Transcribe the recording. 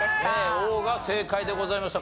「王」が正解でございました。